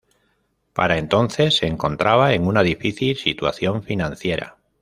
Para entonces se encontraba en una difícil situación financiera.